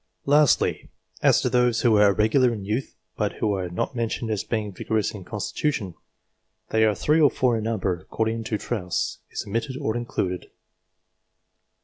Lastly, as to those who were irregular in youth but who are not mentioned as being vigorous in constitution. They are 3 or 4 in number, according as Trosse is omitted or included.